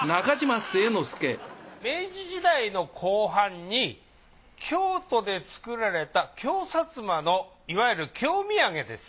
明治時代の後半に京都で作られた京薩摩のいわゆる京土産です。